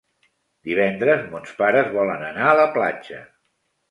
Divendres mons pares volen anar a la platja.